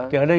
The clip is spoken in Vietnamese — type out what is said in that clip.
thì ở đây